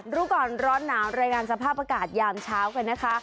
รู้ก่อนร้อนหนาวรายงานสภาพอากาศยามเช้ากันนะคะ